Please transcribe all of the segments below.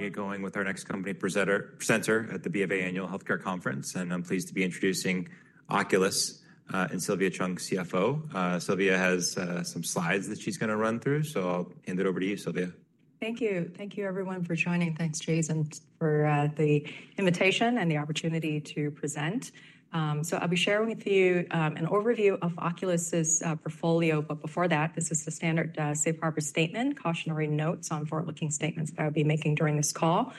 We're going to get going with our next company presenter at the BofA Annual Healthcare Conference, and I'm pleased to be introducing Oculis and Sylvia Cheung, CFO. Sylvia has some slides that she's going to run through, so I'll hand it over to you, Sylvia. Thank you. Thank you, everyone, for joining. Thanks, Jason, for the invitation and the opportunity to present. I'll be sharing with you an overview of Oculis' portfolio, but before that, this is the standard safe harbor statement, cautionary notes on forward-looking statements that I'll be making during this call.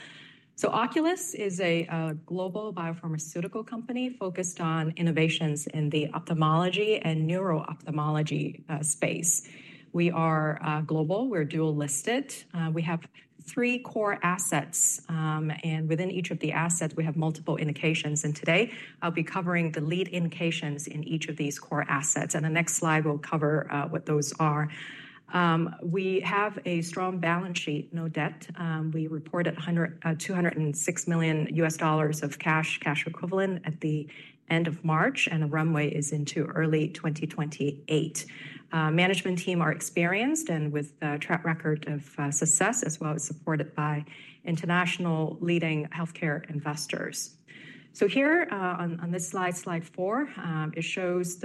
Oculis is a global biopharmaceutical company focused on innovations in the ophthalmology and neuro-ophthalmology space. We are global. We're dual-listed. We have three core assets, and within each of the assets, we have multiple indications. Today, I'll be covering the lead indications in each of these core assets. The next slide will cover what those are. We have a strong balance sheet, no debt. We reported $206 million of cash, cash equivalent, at the end of March, and the runway is into early 2028. Management teams are experienced and with a track record of success, as well as supported by international leading healthcare investors. Here, on this slide, slide four, it shows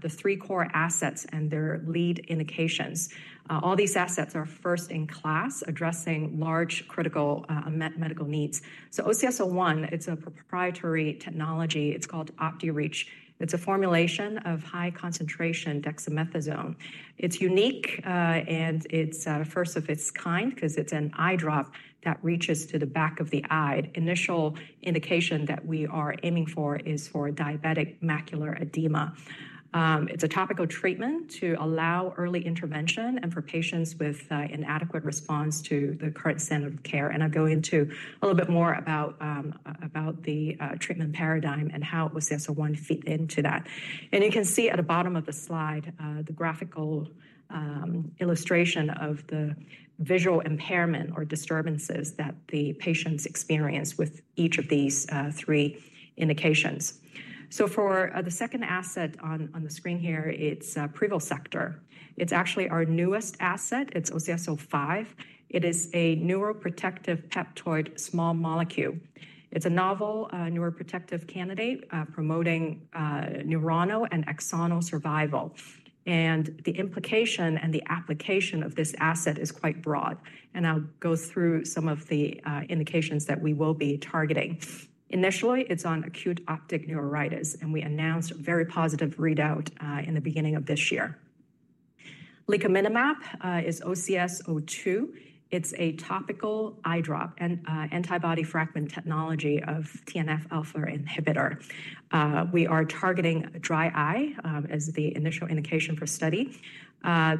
the three core assets and their lead indications. All these assets are first in class, addressing large critical medical needs. OCS-01, it's a proprietary technology. It's called OptiReach. It's a formulation of high-concentration dexamethasone. It's unique, and it's first of its kind because it's an eye drop that reaches to the back of the eye. The initial indication that we are aiming for is for diabetic macular edema. It's a topical treatment to allow early intervention and for patients with an inadequate response to the current standard of care. I'll go into a little bit more about the treatment paradigm and how OCS-01 fits into that. You can see at the bottom of the slide, the graphical illustration of the visual impairment or disturbances that the patients experience with each of these three indications. For the second asset on the screen here, it's Privosegtor. It's actually our newest asset. It's OCS-05. It is a neuroprotective peptide small molecule. It's a novel neuroprotective candidate promoting neuronal and axonal survival. The implication and the application of this asset is quite broad. I'll go through some of the indications that we will be targeting. Initially, it's on acute optic neuritis, and we announced a very positive readout in the beginning of this year. Lecaminlimab is OCS-02. It's a topical eye drop and antibody fragment technology of TNF alpha inhibitor. We are targeting dry eye as the initial indication for study.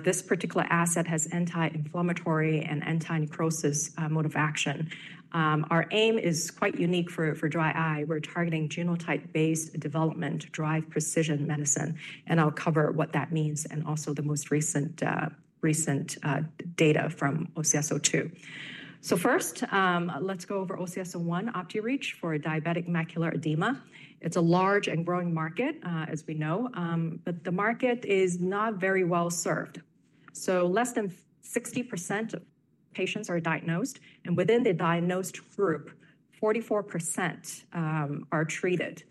This particular asset has anti-inflammatory and anti-necrosis mode of action. Our aim is quite unique for dry eye. We're targeting genotype-based development, drive precision medicine. I'll cover what that means and also the most recent data from OCS-02. First, let's go over OCS-01, OptiReach, for diabetic macular edema. It's a large and growing market, as we know, but the market is not very well served. Less than 60% of patients are diagnosed, and within the diagnosed group, 44% are treated.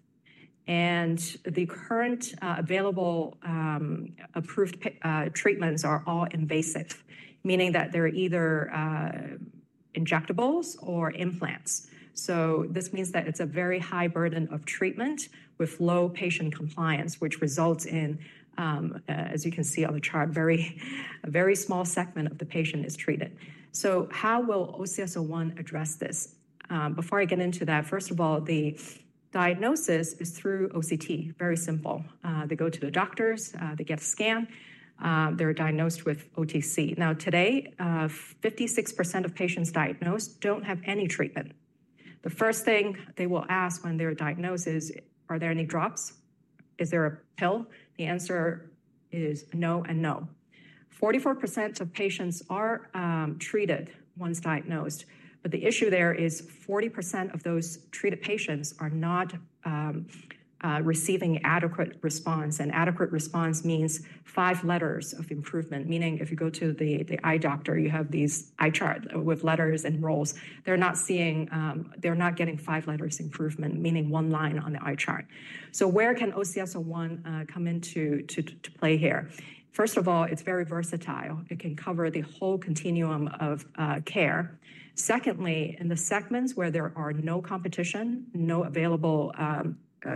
The current available approved treatments are all invasive, meaning that they're either injectables or implants. This means that it's a very high burden of treatment with low patient compliance, which results in, as you can see on the chart, a very small segment of the patient is treated. How will OCS-01 address this? Before I get into that, first of all, the diagnosis is through OCT, very simple. They go to the doctors, they get a scan, they're diagnosed with OTC. Now, today, 56% of patients diagnosed don't have any treatment. The first thing they will ask when they're diagnosed is, are there any drops? Is there a pill? The answer is no and no. 44% of patients are treated once diagnosed, but the issue there is 40% of those treated patients are not receiving adequate response. And adequate response means five letters of improvement, meaning if you go to the eye doctor, you have these eye charts with letters and rows. They're not seeing, they're not getting five letters improvement, meaning one line on the eye chart. Where can OCS-01 come into play here? First of all, it's very versatile. It can cover the whole continuum of care. Secondly, in the segments where there are no competition, no available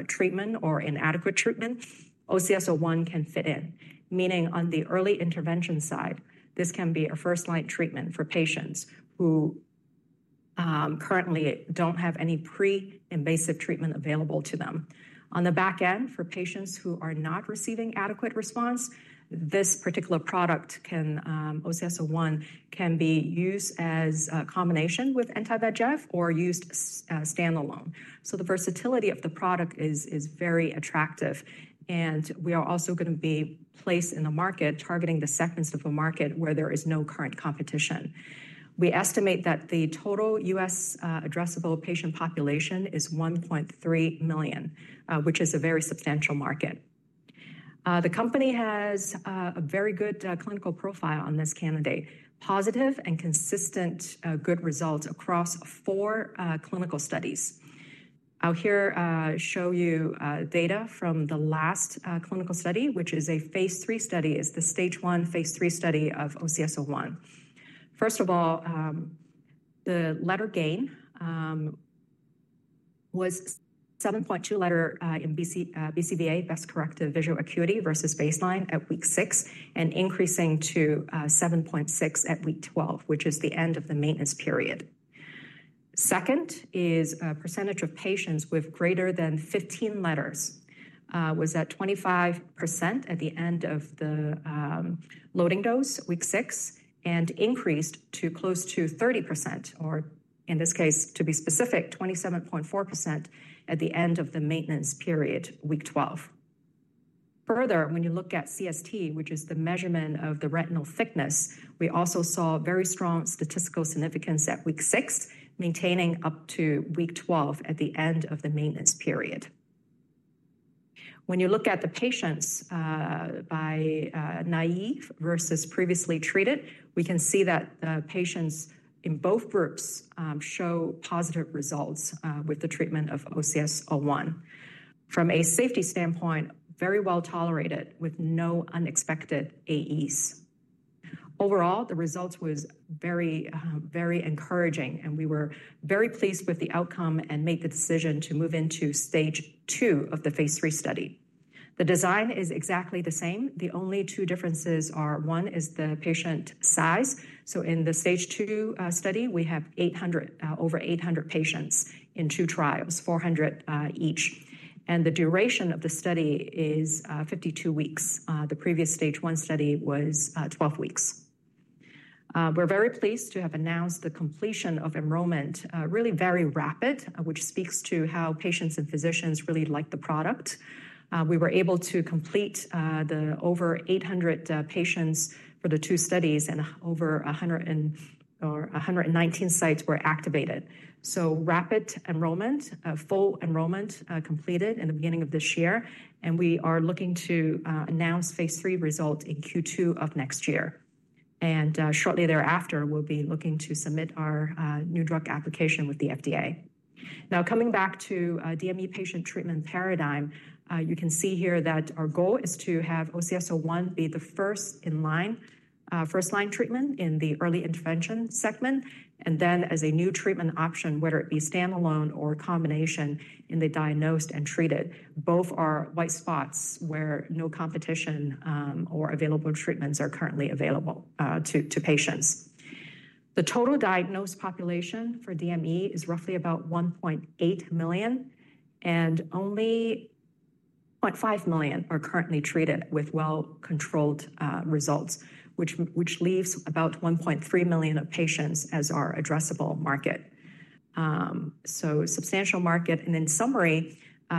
treatment or inadequate treatment, OCS-01 can fit in, meaning on the early intervention side, this can be a first-line treatment for patients who currently don't have any pre-invasive treatment available to them. On the back end, for patients who are not receiving adequate response, this particular product, OCS-01, can be used as a combination with anti-VEGF or used standalone. The versatility of the product is very attractive. We are also going to be placed in the market targeting the segments of the market where there is no current competition. We estimate that the total U.S. addressable patient population is 1.3 million, which is a very substantial market. The company has a very good clinical profile on this candidate, positive and consistent good results across four clinical studies. I'll here show you data from the last clinical study, which is a phase III study. It's the stage one phase III study of OCS-01. First of all, the letter gain was 7.2 letters in BCVA, best corrected visual acuity, versus baseline at week six and increasing to 7.6 at week 12, which is the end of the maintenance period. Second is a percentage of patients with greater than 15 letters was at 25% at the end of the loading dose, week six, and increased to close to 30%, or in this case, to be specific, 27.4% at the end of the maintenance period, week 12. Further, when you look at CST, which is the measurement of the retinal thickness, we also saw very strong statistical significance at week six, maintaining up to week 12 at the end of the maintenance period. When you look at the patients by naive versus previously treated, we can see that the patients in both groups show positive results with the treatment of OCS-01. From a safety standpoint, very well tolerated with no unexpected AEs. Overall, the results were very, very encouraging, and we were very pleased with the outcome and made the decision to move into stage two of the phase III study. The design is exactly the same. The only two differences are one is the patient size. In the stage two study, we have over 800 patients in two trials, 400 each. The duration of the study is 52 weeks. The previous stage one study was 12 weeks. We're very pleased to have announced the completion of enrollment, really very rapid, which speaks to how patients and physicians really like the product. We were able to complete the over 800 patients for the two studies and over 119 sites were activated. Rapid enrollment, full enrollment completed in the beginning of this year, and we are looking to announce phase III results in Q2 of next year. Shortly thereafter, we'll be looking to submit our new drug application with the FDA. Now, coming back to DME patient treatment paradigm, you can see here that our goal is to have OCS-01 be the first in line, first-line treatment in the early intervention segment, and then as a new treatment option, whether it be standalone or combination in the diagnosed and treated, both are white spots where no competition or available treatments are currently available to patients. The total diagnosed population for DME is roughly about 1.8 million, and only 0.5 million are currently treated with well-controlled results, which leaves about 1.3 million of patients as our addressable market. Substantial market. In summary,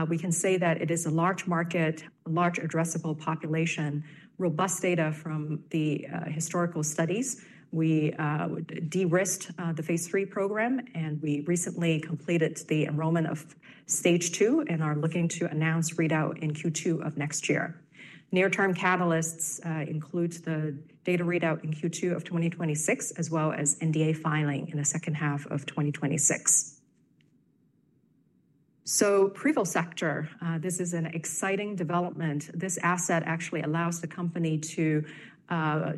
we can say that it is a large market, large addressable population, robust data from the historical studies. We de-risked the phase III program, and we recently completed the enrollment of stage two and are looking to announce readout in Q2 of next year. Near-term catalysts include the data readout in Q2 of 2026, as well as NDA filing in the second half of 2026. Privosegtor, this is an exciting development. This asset actually allows the company to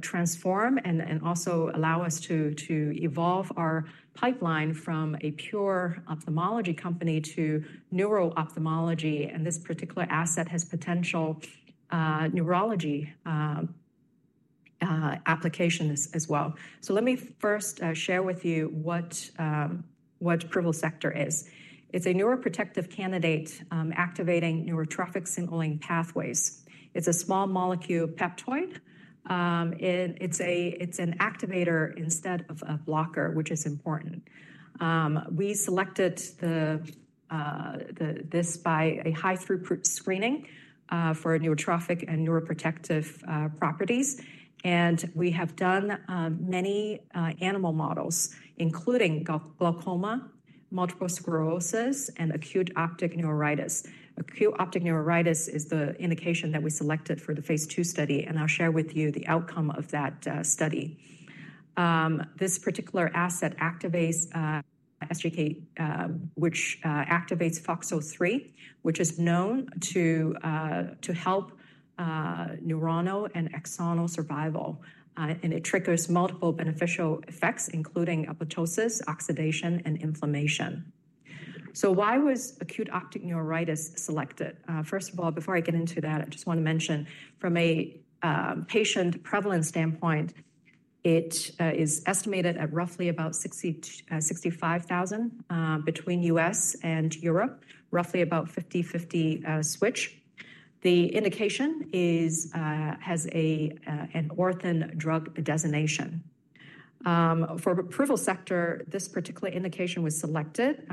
transform and also allow us to evolve our pipeline from a pure ophthalmology company to neuro-ophthalmology. This particular asset has potential neurology applications as well. Let me first share with you what Privosegtor is. It is a neuroprotective candidate activating neurotrophic signaling pathways. It is a small molecule peptide. It is an activator instead of a blocker, which is important. We selected this by a high-throughput screening for neurotrophic and neuroprotective properties. We have done many animal models, including glaucoma, multiple sclerosis, and acute optic neuritis. Acute optic neuritis is the indication that we selected for the phase II study, and I will share with you the outcome of that study. This particular asset activates SGK, which activates FOXO3, which is known to help neuronal and axonal survival. It triggers multiple beneficial effects, including apoptosis, oxidation, and inflammation. Why was acute optic neuritis selected? First of all, before I get into that, I just want to mention from a patient prevalence standpoint, it is estimated at roughly about 65,000 between U.S. Europe, roughly about 50/50 switch. The indication has an orphan drug designation. For Privosegtor, this particular indication was selected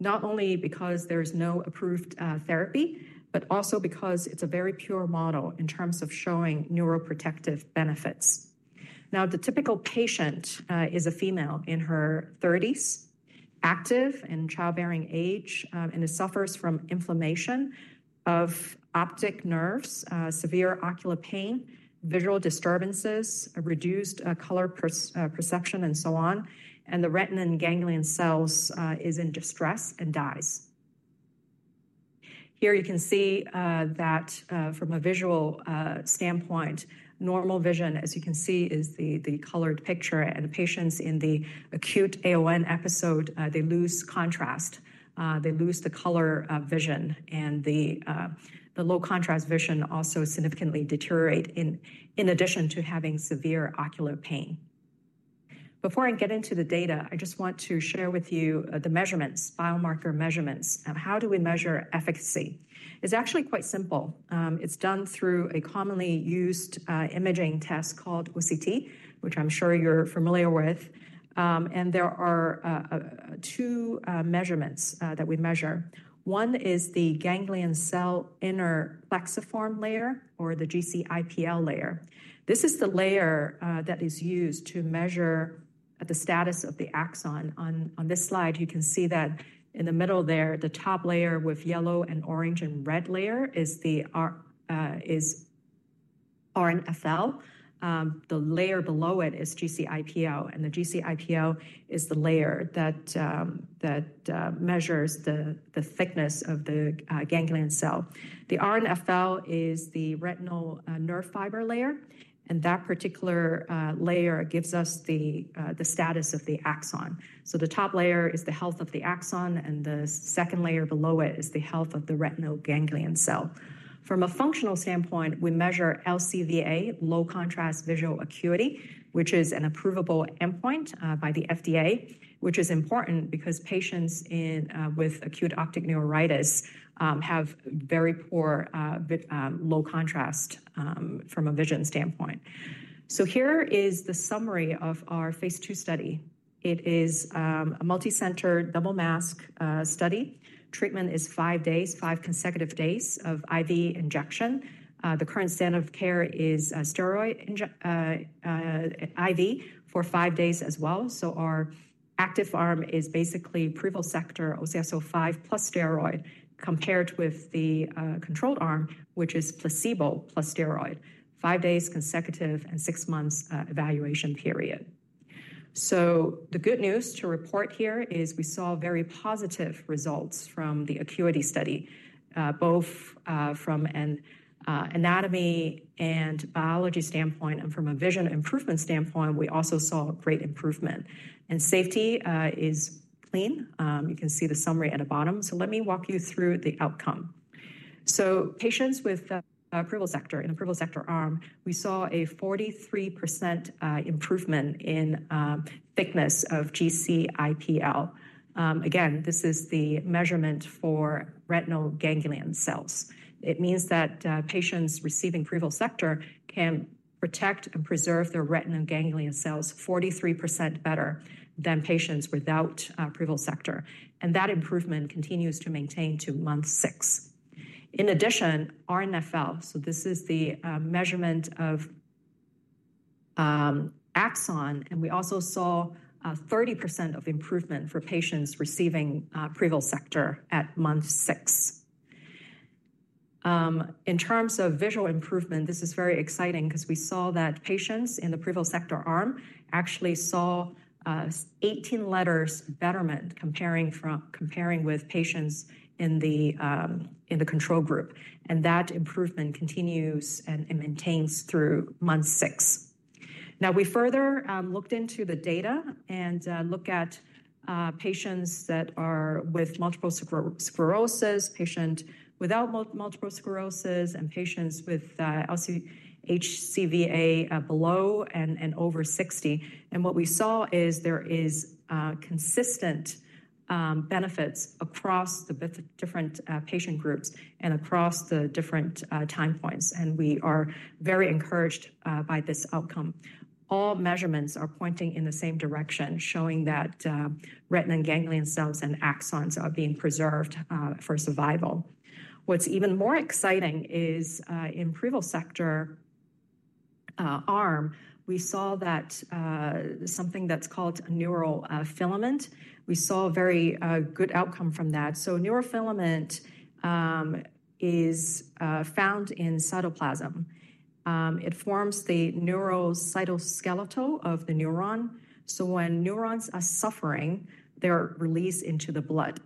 not only because there is no approved therapy, but also because it is a very pure model in terms of showing neuroprotective benefits. Now, the typical patient is a female in her 30s, active and childbearing age, and suffers from inflammation of optic nerves, severe ocular pain, visual disturbances, reduced color perception, and so on. The retinal ganglion cells are in distress and die. Here you can see that from a visual standpoint, normal vision, as you can see, is the colored picture. Patients in the acute AON episode lose contrast, they lose the color vision, and the low contrast vision also significantly deteriorates in addition to having severe ocular pain. Before I get into the data, I just want to share with you the measurements, biomarker measurements. How do we measure efficacy? It's actually quite simple. It's done through a commonly used imaging test called OCT, which I'm sure you're familiar with. There are two measurements that we measure. One is the ganglion cell inner plexiform layer, or the GCIPL layer. This is the layer that is used to measure the status of the axon. On this slide, you can see that in the middle there, the top layer with yellow and orange and red layer is RNFL. The layer below it is GCIPL, and the GCIPL is the layer that measures the thickness of the ganglion cell. The RNFL is the retinal nerve fiber layer, and that particular layer gives us the status of the axon. The top layer is the health of the axon, and the second layer below it is the health of the retinal ganglion cell. From a functional standpoint, we measure LCVA, low contrast visual acuity, which is an approvable endpoint by the FDA, which is important because patients with acute optic neuritis have very poor low contrast from a vision standpoint. Here is the summary of our phase II study. It is a multicenter double mask study. Treatment is five days, five consecutive days of IV injection. The current standard of care is steroid IV for five days as well. Our active arm is basically Privosegtor OCS-05 plus steroid compared with the control arm, which is placebo plus steroid, five days consecutive and six months evaluation period. The good news to report here is we saw very positive results from the acuity study, both from an anatomy and biology standpoint, and from a vision improvement standpoint, we also saw great improvement. Safety is clean. You can see the summary at the bottom. Let me walk you through the outcome. Patients with Privosegtor in a Privosegtor arm, we saw a 43% improvement in thickness of GCIPL. Again, this is the measurement for retinal ganglion cells. It means that patients receiving Privosegtor can protect and preserve their retinal ganglion cells 43% better than patients without Privosegtor. That improvement continues to maintain to month six. In addition, RNFL, this is the measurement of axon, and we also saw 30% of improvement for patients receiving Privosegtor at month six. In terms of visual improvement, this is very exciting because we saw that patients in the Privosegtor arm actually saw 18 letters betterment comparing with patients in the control group. That improvement continues and maintains through month six. We further looked into the data and looked at patients that are with multiple sclerosis, patients without multiple sclerosis, and patients with HCVA below and over 60. What we saw is there are consistent benefits across the different patient groups and across the different time points. We are very encouraged by this outcome. All measurements are pointing in the same direction, showing that retinal ganglion cells and axons are being preserved for survival. What's even more exciting is in Privosegtor arm, we saw that something that's called a Neurofilament. We saw a very good outcome from that. Neurofilament is found in cytoplasm. It forms the neuro cytoskeleton of the neuron. When neurons are suffering, they're released into the blood.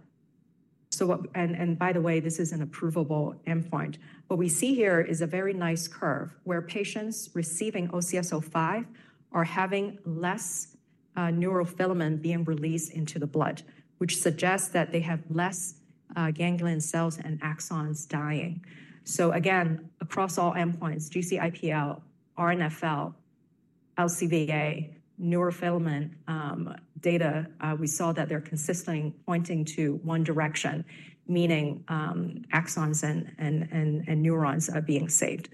By the way, this is an approvable endpoint. What we see here is a very nice curve where patients receiving OCS-05 are having less neurofilament being released into the blood, which suggests that they have less ganglion cells and axons dying. Again, across all endpoints, GCIPL, RNFL, LCVA, Neurofilament data, we saw that they're consistently pointing to one direction, meaning axons and neurons are being saved.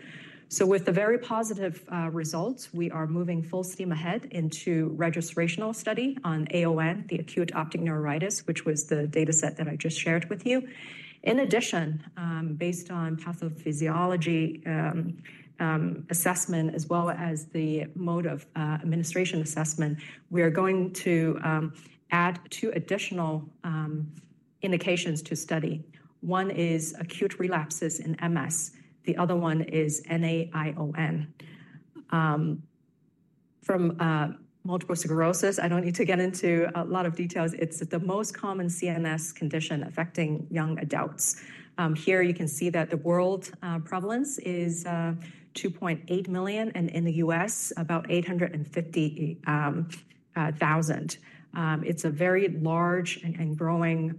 With the very positive results, we are moving full steam ahead into registrational study on AON, the acute optic neuritis, which was the dataset that I just shared with you. In addition, based on pathophysiology assessment, as well as the mode of administration assessment, we are going to add two additional indications to study. One is acute relapses in MS. The other one is NAION. From multiple sclerosis, I don't need to get into a lot of details. It's the most common CNS condition affecting young adults. Here you can see that the world prevalence is 2.8 million, and in the U.S., about 850,000. It's a very large and growing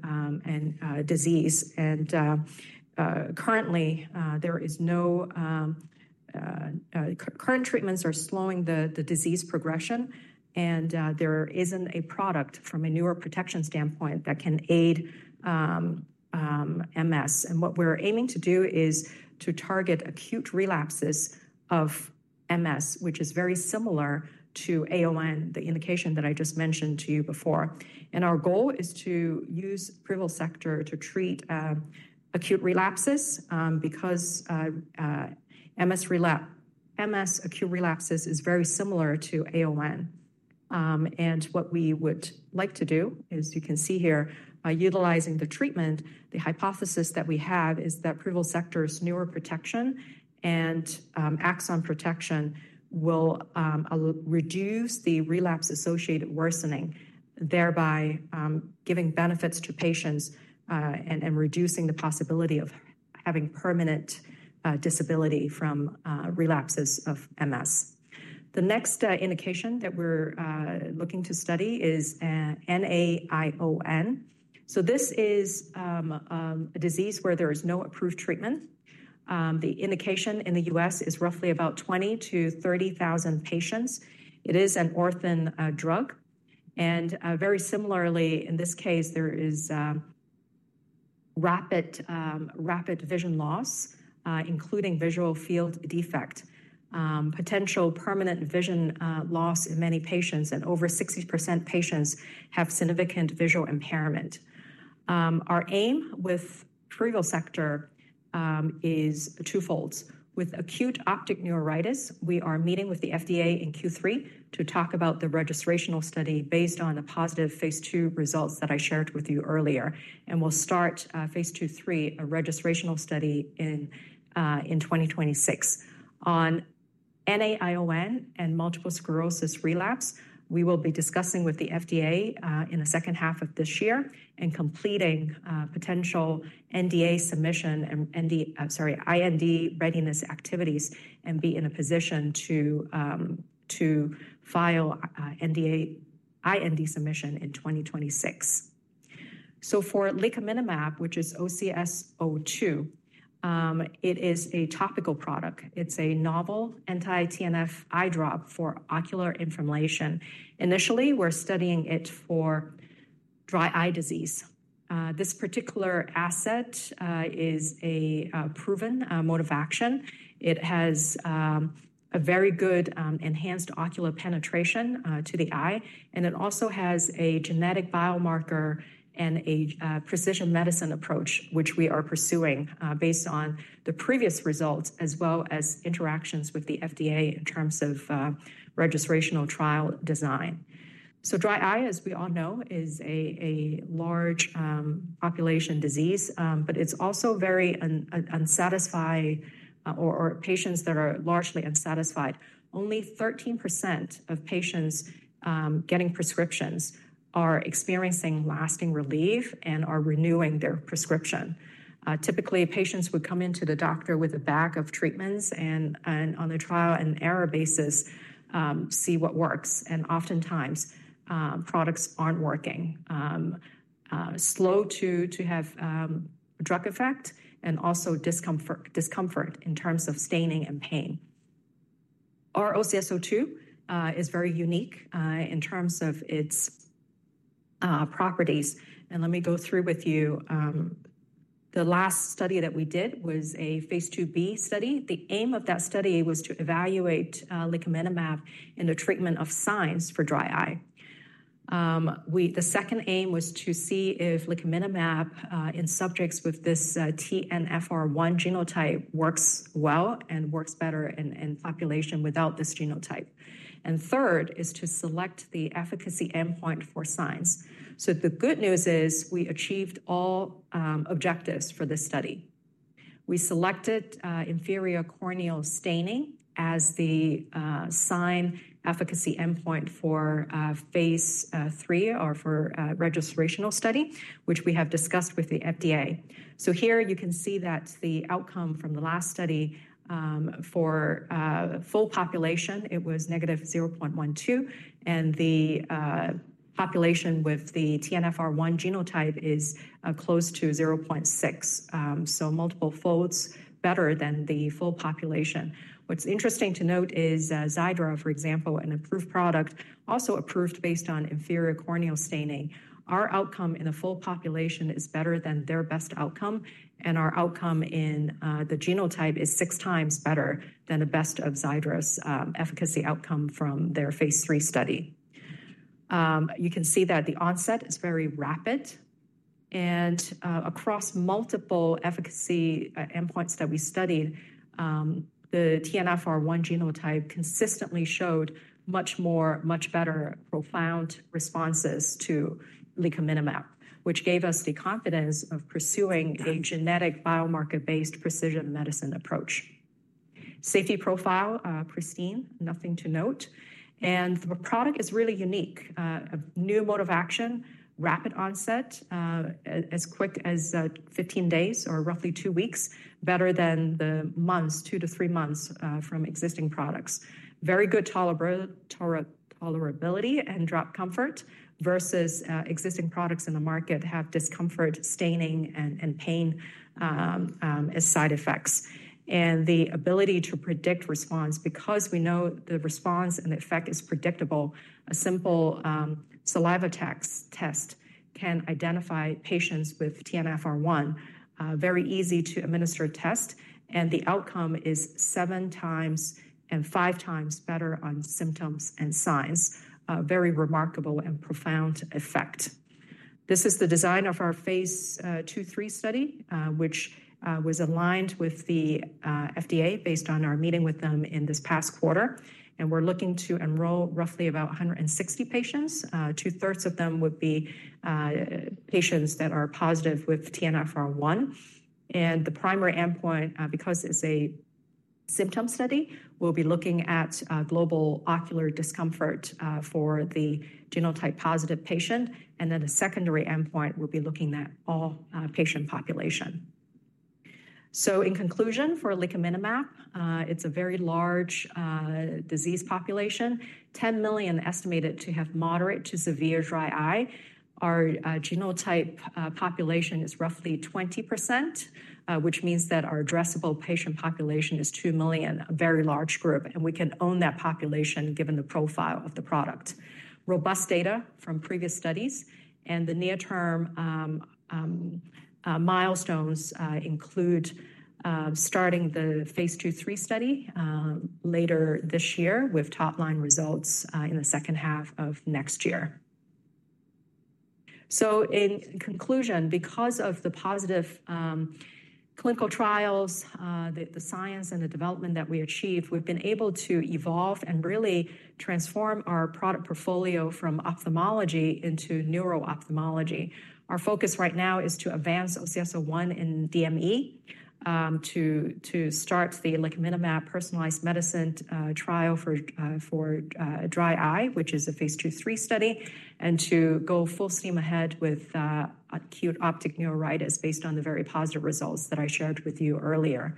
disease. Currently, there are no current treatments that are slowing the disease progression. There isn't a product from a neuroprotection standpoint that can aid MS. What we're aiming to do is to target acute relapses of MS, which is very similar to AON, the indication that I just mentioned to you before. Our goal is to use Privosegtor to treat acute relapses because MS acute relapses is very similar to AON. What we would like to do is, you can see here, utilizing the treatment, the hypothesis that we have is that Privosegtor's neuroprotection and axon protection will reduce the relapse-associated worsening, thereby giving benefits to patients and reducing the possibility of having permanent disability from relapses of MS. The next indication that we're looking to study is NAION. This is a disease where there is no approved treatment. The indication in the U.S. is roughly about 20,000-30,000 patients. It is an orphan drug. Very similarly, in this case, there is rapid vision loss, including visual field defect, potential permanent vision loss in many patients, and over 60% of patients have significant visual impairment. Our aim with Privosegtor is twofold. With acute optic neuritis, we are meeting with the FDA in Q3 to talk about the registrational study based on the positive phase II results that I shared with you earlier. We will start phase II and phase III registrational study in 2026. On NAION and multiple sclerosis relapse, we will be discussing with the FDA in the second half of this year and completing potential IND readiness activities and be in a position to file NDA IND submission in 2026. For Lecaminlimab, which is OCS-02, it is a topical product. It is a novel anti-TNF eye drop for ocular inflammation. Initially, we are studying it for dry eye disease. This particular asset is a proven mode of action. It has a very good enhanced ocular penetration to the eye. It also has a genetic biomarker and a precision medicine approach, which we are pursuing based on the previous results as well as interactions with the FDA in terms of registrational trial design. Dry eye, as we all know, is a large population disease, but it is also very unsatisfied or patients that are largely unsatisfied. Only 13% of patients getting prescriptions are experiencing lasting relief and are renewing their prescription. Typically, patients would come into the doctor with a bag of treatments and, on a trial and error basis, see what works. Oftentimes, products are not working, slow to have drug effect, and also discomfort in terms of staining and pain. Our OCS-02 is very unique in terms of its properties. Let me go through with you. The last study that we did was a phase II-B study. The aim of that study was to evaluate Lecaminlimab in the treatment of signs for dry eye. The 2nd aim was to see if Lecaminlimab in subjects with this TNFR1 genotype works well and works better in population without this genotype. 3rd is to select the efficacy endpoint for signs. The good news is we achieved all objectives for this study. We selected inferior corneal staining as the sign efficacy endpoint for phase III or for registrational study, which we have discussed with the FDA. Here you can see that the outcome from the last study for full population, it was negative 0.12. The population with the TNFR1 genotype is close to 0.6, so multiple folds better than the full population. What's interesting to note is Xiidra, for example, an approved product, also approved based on inferior corneal staining. Our outcome in the full population is better than their best outcome. Our outcome in the genotype is 6x better than the best of Xiidra's efficacy outcome from their phase III study. You can see that the onset is very rapid. Across multiple efficacy endpoints that we studied, the TNFR1 genotype consistently showed much more, much better profound responses to Lecaminlimab, which gave us the confidence of pursuing a genetic biomarker-based precision medicine approach. Safety profile, pristine, nothing to note. The product is really unique, a new mode of action, rapid onset, as quick as 15 days or roughly two weeks, better than the months, two to three months from existing products. Very good tolerability and drop comfort versus existing products in the market have discomfort, staining, and pain as side effects. The ability to predict response because we know the response and the effect is predictable, a simple saliva test can identify patients with TNFR1. Very easy to administer a test. The outcome is seven times and five times better on symptoms and signs. Very remarkable and profound effect. This is the design of our phase II and phase III study, which was aligned with the FDA based on our meeting with them in this past quarter. We are looking to enroll roughly about 160 patients. 2/3 of them would be patients that are positive with TNFR1. The primary endpoint, because it is a symptom study, will be looking at global ocular discomfort for the genotype positive patient. The secondary endpoint will be looking at all patient population. In conclusion, for Lecaminlimab, it's a very large disease population, 10 million estimated to have moderate to severe dry eye. Our genotype population is roughly 20%, which means that our addressable patient population is 2 million, a very large group. We can own that population given the profile of the product. Robust data from previous studies. The near-term milestones include starting the phase II and phase III study later this year with top-line results in the second half of next year. In conclusion, because of the positive clinical trials, the science and the development that we achieved, we've been able to evolve and really transform our product portfolio from ophthalmology into neuro-ophthalmology. Our focus right now is to advance OCS-01 in DME, to start the Lecaminlimab personalized medicine trial for dry eye, which is a phase II and phase III study, and to go full steam ahead with acute optic neuritis based on the very positive results that I shared with you earlier.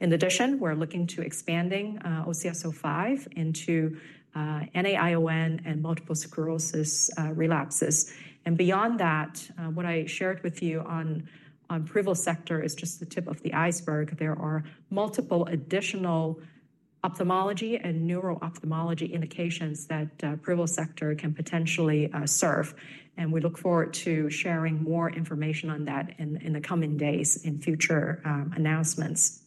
In addition, we're looking to expand OCS-05 into NAION and multiple sclerosis relapses. What I shared with you on Privosegtor is just the tip of the iceberg. There are multiple additional ophthalmology and neuro-ophthalmology indications that Privosegtor can potentially serve. We look forward to sharing more information on that in the coming days in future announcements.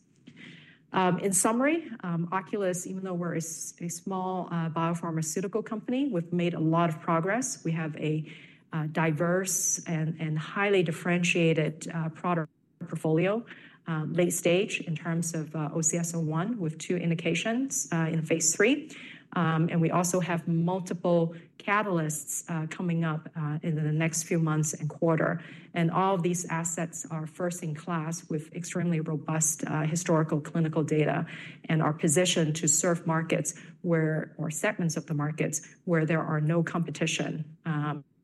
In summary, Oculis, even though we're a small biopharmaceutical company, we've made a lot of progress. We have a diverse and highly differentiated product portfolio, late stage in terms of OCS-01 with two indications in phase III. We also have multiple catalysts coming up in the next few months and quarter. All of these assets are first in class with extremely robust historical clinical data and are positioned to serve markets or segments of the markets where there is no competition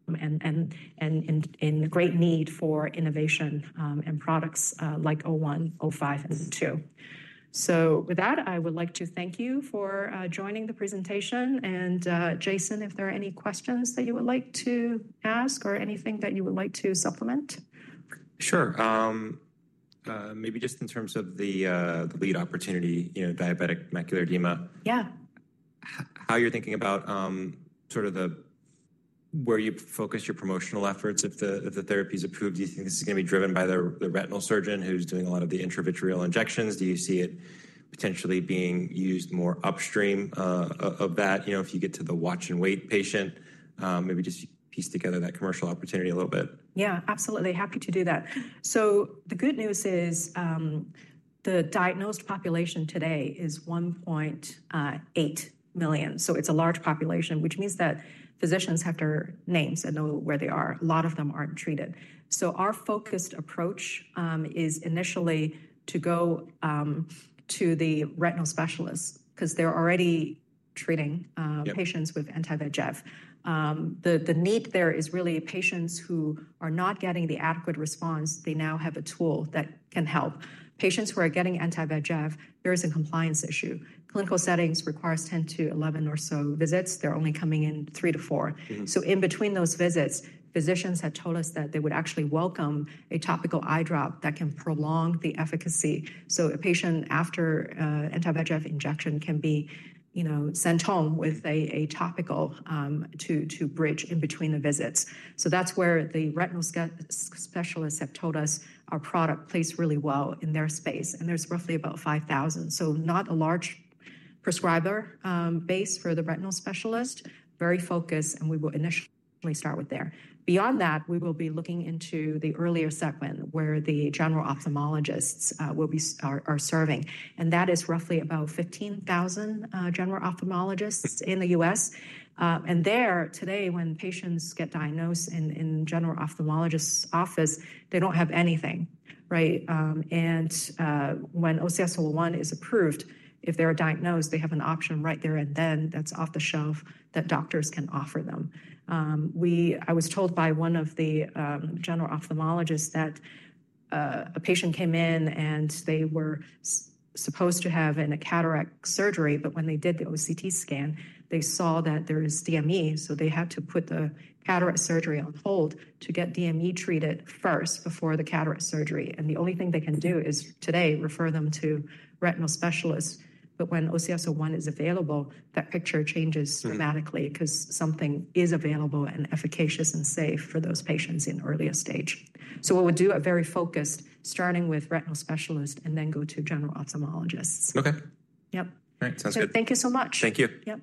and in great need for innovation and products like OCS-01, OCS-05, and OCS-02. With that, I would like to thank you for joining the presentation. Jason, if there are any questions that you would like to ask or anything that you would like to supplement? Sure. Maybe just in terms of the lead opportunity, diabetic macular edema. Yeah. How you're thinking about sort of where you focus your promotional efforts if the therapy is approved, do you think this is going to be driven by the retinal surgeon who's doing a lot of the intravitreal injections? Do you see it potentially being used more upstream of that if you get to the watch and wait patient? Maybe just piece together that commercial opportunity a little bit. Yeah, absolutely. Happy to do that. The good news is the diagnosed population today is 1.8 million. It is a large population, which means that physicians have their names and know where they are. A lot of them are not treated. Our focused approach is initially to go to the retinal specialists because they are already treating patients with anti-VEGF. The need there is really patients who are not getting the adequate response. They now have a tool that can help. Patients who are getting anti-VEGF, there is a compliance issue. Clinical settings require 10-11 or so visits. They are only coming in three to four. In between those visits, physicians have told us that they would actually welcome a topical eye drop that can prolong the efficacy. A patient after anti-VEGF injection can be sent home with a topical to bridge in between the visits. That is where the retinal specialists have told us our product plays really well in their space. There are roughly about 5,000, so not a large prescriber base for the retinal specialist, very focused, and we will initially start there. Beyond that, we will be looking into the earlier segment where the general ophthalmologists are serving. That is roughly about 15,000 general ophthalmologists in the U.S. There today, when patients get diagnosed in a general ophthalmologist's office, they do not have anything, right? When OCS-01 is approved, if they're diagnosed, they have an option right there and then that's off the shelf that doctors can offer them. I was told by one of the general ophthalmologists that a patient came in and they were supposed to have a cataract surgery, but when they did the OCT scan, they saw that there is DME. They had to put the cataract surgery on hold to get DME treated first before the cataract surgery. The only thing they can do is today refer them to retinal specialists. When OCS-01 is available, that picture changes dramatically because something is available and efficacious and safe for those patients in earliest stage. What we'll do is very focused, starting with retinal specialists and then go to general ophthalmologists. Okay. Yep. All right. Sounds good. Thank you so much. Thank you.